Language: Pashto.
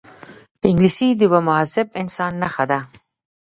انګلیسي د یوه مهذب انسان نښه ده